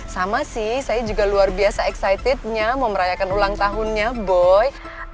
sama sih saya juga luar biasa excitednya mau merayakan ulang tahunnya boy